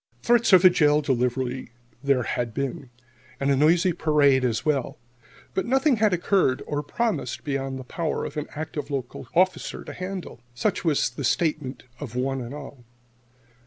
Threats of a jail delivery there had been, and a noisy parade as well, but nothing had occurred or promised beyond the power of an active local officer to handle. Such was the statement of one and all.